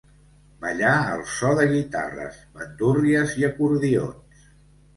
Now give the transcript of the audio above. Ballar al so de guitarres, bandúrries i acordions.